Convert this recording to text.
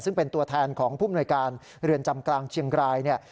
ซึ่งเป็นตัวแทนของผู้มนวยการเรือนจำกลางเชียงรายเนี่ย